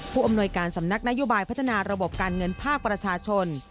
อำนวยการสำนักนโยบายพัฒนาระบบการเงินภาคประชาชน